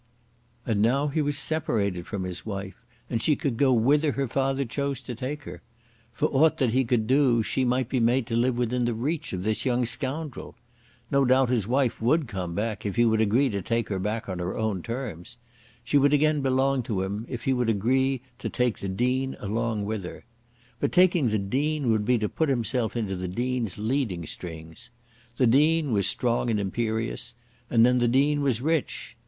And now he was separated from his wife, and she could go whither her father chose to take her. For aught that he could do she might be made to live within the reach of this young scoundrel. No doubt his wife would come back if he would agree to take her back on her own terms. She would again belong to him if he would agree to take the Dean along with her. But taking the Dean would be to put himself into the Dean's leading strings. The Dean was strong and imperious; and then the Dean was rich.